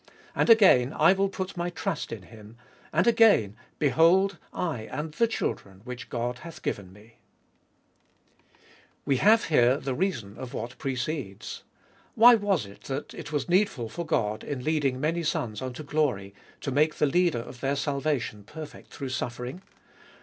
13. And again, I will put my trust in him (Isa. viii. 17). And again, Be hold, I and the children which God hath given me (Isa. viii. 18). WE have here the reason of what precedes. Why was it that it was needful for God, in leading many sons unto glory, to make the Leader of their salvation perfect through suffering